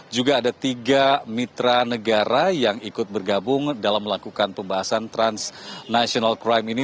juga ada tiga mitra negara yang ikut bergabung dalam melakukan pembahasan transnational crime ini